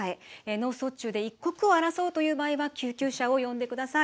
脳卒中で一刻を争う場合は救急車を呼んでください。